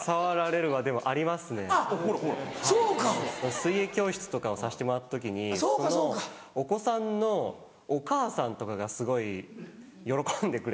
水泳教室とかをさせてもらった時にそのお子さんのお母さんとかがすごい喜んでくれて。